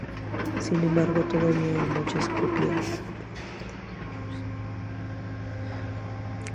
Sin embargo, todavía había muchas copias del juego de Lee Carvallo, "Aprendiendo Golf".